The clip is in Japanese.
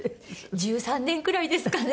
１３年くらいですかね。